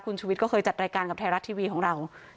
คุณชุวิตก็เคยจัดรายการกับไทยรัฐทีวีของเรา